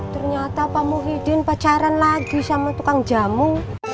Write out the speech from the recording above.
ternyata pak muhyiddin pacaran lagi sama tukang jamu